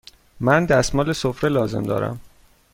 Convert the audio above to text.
من دستمال سفره لازم دارم.